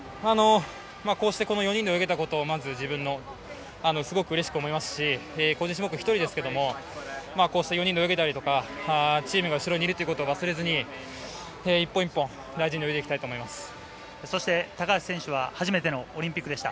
こうしてこの４人で泳げたことをまず自分も、すごくうれしく思いますし、個人種目、１人ですけど、こうして４人で泳げたりとか、チームが後ろにいるっていうことを忘れずに、一本一本大事にそして高橋選手は初めてのオリンピックでした。